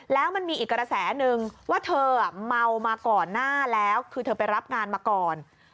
แล้วมันมีอีกกระแสนึงว่าเธอเมามาก่อนหน้าแล้วคือเธอไปรับงานมาก่อน